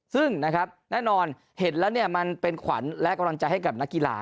ซึ่งแน่นอนเห็นแล้วมันเป็นขวัญและกำลังใจให้กับนักกีฬา